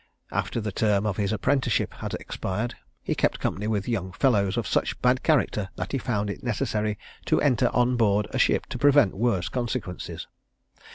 After the term of his apprenticeship had expired, he kept company with young fellows of such bad character, that he found it necessary to enter on board a ship to prevent worse consequences.